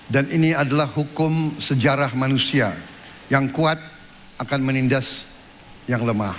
dan ini adalah hukum sejarah manusia yang kuat akan menindas yang lemah